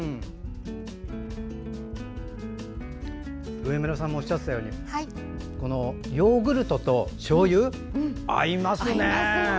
上村さんもおっしゃっていたようにヨーグルトとしょうゆ合いますね。